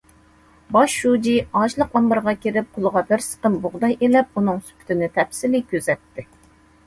باش شۇجى ئاشلىق ئامبىرىغا كىرىپ، قولىغا بىر سىقىم بۇغداي ئېلىپ، ئۇنىڭ سۈپىتىنى تەپسىلىي كۆزەتتى.